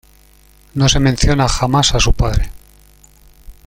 No se menciona jamás a su padre.